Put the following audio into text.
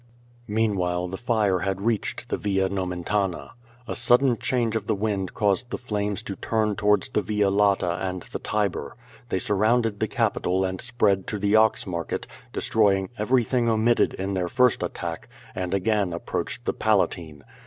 Meanwhile the fire had reached the Via Nomentana. A sudden change of the wind caused the flames to turn towards the Via Lata and the Tiber. They surrounded the Capitol and spread to the Ox Market, destroying everything omitted in their first attack, and again approached the Palatine.